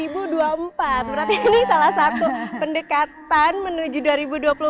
berarti ini salah satu pendekatan menuju dua ribu dua puluh empat